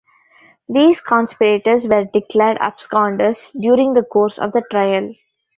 These conspirators were declared absconders during the course of the trial.